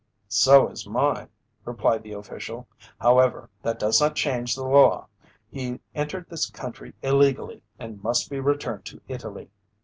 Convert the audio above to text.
"So is mine," replied the official. "However, that does not change the law. He entered this country illegally and must be returned to Italy."